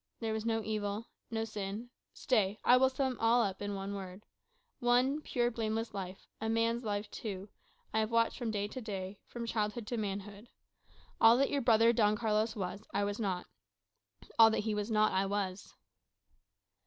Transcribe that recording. There was no evil, no sin stay, I will sum up all in one word. One pure, blameless life a man's life, too I have watched from day to day, from childhood to manhood. All that your brother Don Carlos was, I was not; all he was not, I was."